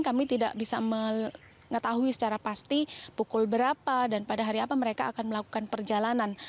kami tidak bisa mengetahui secara pasti pukul berapa dan pada hari apa mereka akan melakukan perjalanan